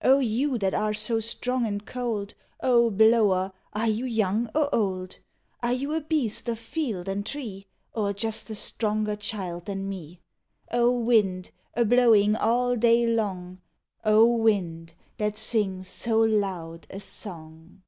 O you that are so strong and cold, O blower, are you young or old? Are you a l>east of field and tree, Or just a stronger child than me? O wind, a blowing all day long, O wind, that sings so loud a song!